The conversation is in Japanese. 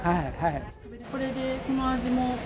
これでこの味も。